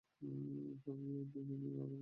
সবাই বিয়ের দুই তিনদিন আগেই পৌঁছে যাবে।